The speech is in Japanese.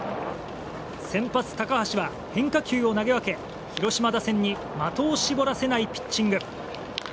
先発、高橋は変化球を投げ分け広島打線に的を絞らせないピッチング。